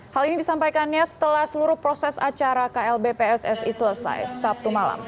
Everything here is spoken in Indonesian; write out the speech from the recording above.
hal ini disampaikannya setelah seluruh proses acara klb pssi selesai sabtu malam